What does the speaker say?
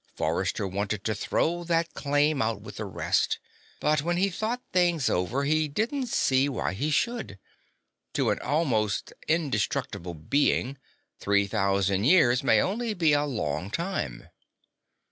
Forrester wanted to throw that claim out with the rest, but when he thought things over he didn't see why he should. To an almost indestructible being, three thousand years may only be a long time.